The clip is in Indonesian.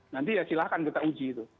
nanti ya silahkan kita uji itu